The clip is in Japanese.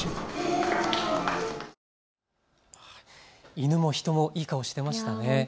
犬も人も、いい顔していましたね。